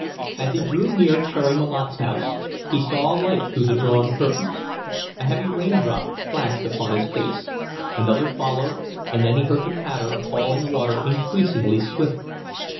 As he drew near Cherry Malotte's house he saw a light through the drawn curtains. A heavy raindrop plashed upon his face, another followed, and then he heard the patter of falling water increasing swiftly.